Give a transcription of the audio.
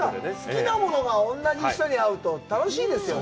好きなものが同じ人に会うと楽しいですよね。